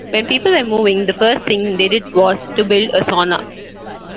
When people were moving, the first thing they did was to build a sauna.